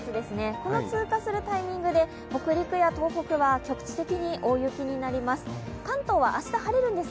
この通過するタイミングで北陸や東北は局地的に大雪になります。